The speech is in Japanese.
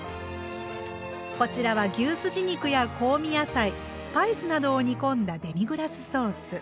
こちらは牛すじ肉や香味野菜スパイスなどを煮込んだデミグラスソース。